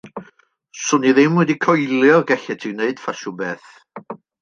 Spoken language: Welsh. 'Swn i ddim wedi coelio y gallet ti wneud ffasiwn beth.